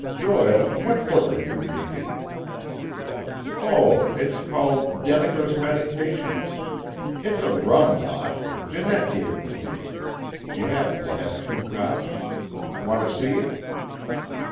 "Doyle, what book are you reading?" "Oh, it's called 'Denneker's Meditations.' It's a rum lot, Janette gave it to me; she happened to have two copies. Want to see it?"